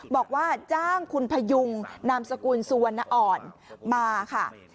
บอกว่าจ้างคุณพยุงนามสกุลสุวรรณอ่อนมาค่ะ